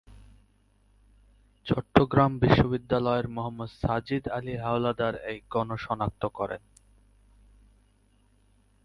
চট্টগ্রাম বিশ্ববিদ্যালয়ের মোহাম্মদ সাজিদ আলী হাওলাদার এই গণ শনাক্ত করেন।